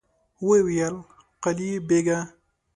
ويې ويل: قلي بېګه!